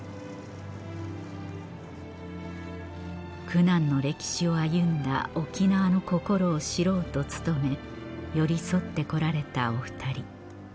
苦難の歴史を歩んだ沖縄の心を知ろうと努め寄り添って来られたお２人